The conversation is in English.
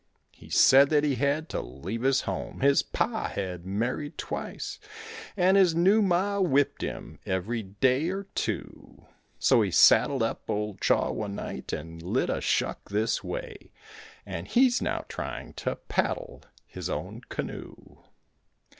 He said that he had to leave his home, his pa had married twice; And his new ma whipped him every day or two; So he saddled up old Chaw one night and lit a shuck this way, And he's now trying to paddle his own canoe.